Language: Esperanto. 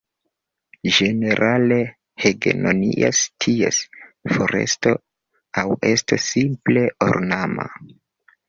Ĝenerale hegemonias ties foresto aŭ esto simple ornama.